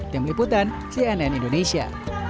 tim liputan cnn indonesia